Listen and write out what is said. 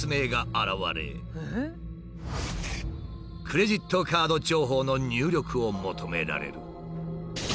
クレジットカード情報の入力を求められる。